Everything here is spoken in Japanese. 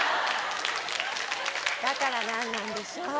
だから何なんでしょう？